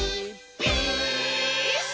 ピース！」